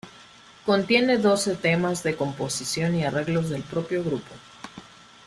Contiene doce temas de composición y arreglos del propio grupo.